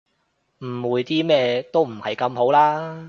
誤會啲咩都唔係咁好啦